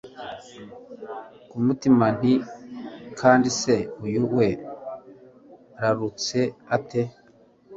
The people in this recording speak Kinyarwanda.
kumutima nti kandi se uyu we ararutse ate!